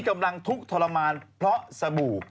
กำลังทุกข์ทรมานเพราะสบู่